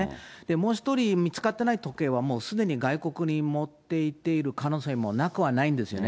もう１人、見つかってない時計はもうすでに外国に持っていっている可能性もなくはないんですね。